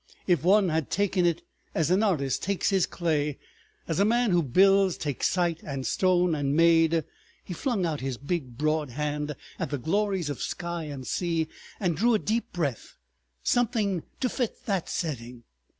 If one had taken it, as an artist takes his clay, as a man who builds takes site and stone, and made———" He flung out his big broad hand at the glories of sky and sea, and drew a deep breath, "something to fit that setting."